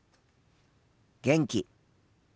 「元気」。